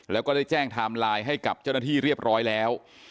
แล้วก็ได้แจ้งไทม์ไลน์ให้กับเจ้าหน้าที่เรียบร้อยแล้ว